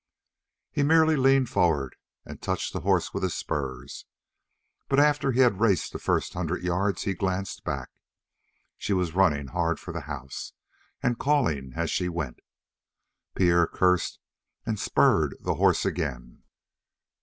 He merely leaned forward and touched the horse with his spurs, but after he had raced the first hundred yards he glanced back. She was running hard for the house, and calling as she went. Pierre cursed and spurred the horse again.